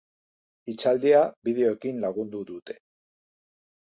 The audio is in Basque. Hitzaldia bideoekin lagundu dute.